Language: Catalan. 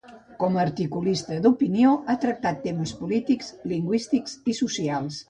Com a articulista d’opinió, ha tractat temes polítics, lingüístics i socials.